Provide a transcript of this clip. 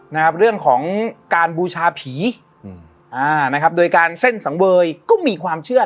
นะครับเรื่องของการบูชาผีอืมอ่านะครับโดยการเส้นสังเวยก็มีความเชื่อ